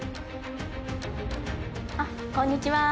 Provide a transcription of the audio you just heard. あっこんにちは。